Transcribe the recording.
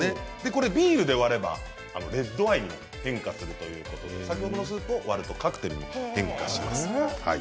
これをビールで割ればレッド・アイに変化するということで先ほどのスープを割るとカクテルに変化します。